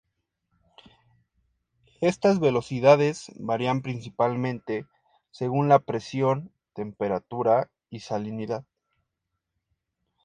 Estas velocidades varían principalmente según la presión, temperatura y salinidad.